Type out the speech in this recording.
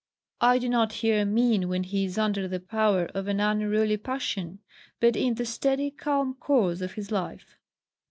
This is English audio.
I do not here mean when he is under the power of an unruly passion, but in the steady calm course of his life.